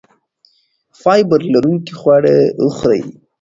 فایبر لرونکي خواړه وخورئ.